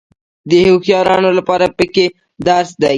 د هوښیارانو لپاره پکې درس دی.